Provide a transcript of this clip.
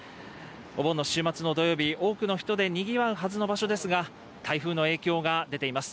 お盆の週末の土曜日、多くの人でにぎわうはずの場所ですが台風の影響が出ています。